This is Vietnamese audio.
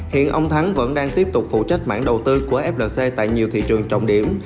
hiện ông thắng vẫn đang tiếp tục phụ trách mãn đầu tư của flc tại nhiều thị trường trọng điểm